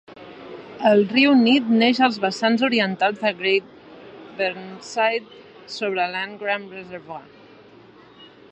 El riu Nidd neix als vessants orientals de Great Whernside, sobre l'Angram Reservoir.